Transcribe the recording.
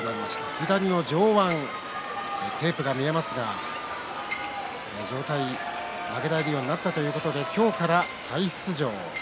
左の上腕、テープが見えますが上腕が曲げられるようになったということで今日から再出場です。